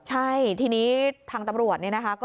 ใช่ทีนี้ทางตำรวจเนี่ยนะคะ